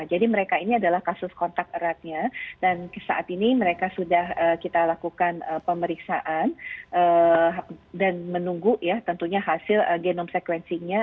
mereka ini adalah kasus kontak eratnya dan saat ini mereka sudah kita lakukan pemeriksaan dan menunggu ya tentunya hasil genome sequencingnya